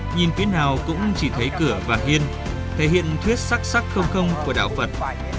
nhìn phía nào cũng chỉ thấy cửa và hiên thể hiện thuyết sắc sắc không không của đạo phật